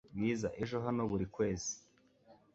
Bwiza aje hano buri kwezi .